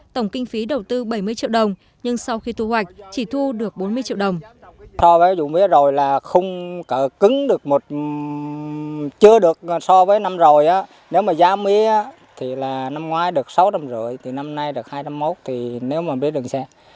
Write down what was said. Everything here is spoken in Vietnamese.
tổng kinh phí đầu tư bảy mươi triệu đồng nhưng sau khi thu hoạch chỉ thu được bốn mươi triệu đồng